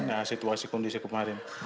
ya situasi kondisi kemarin